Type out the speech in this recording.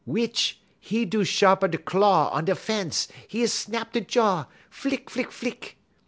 Witch, e' do sharp' 'e claw on a da' fence; 'e is snap 'e jaw _flick! flick! flick!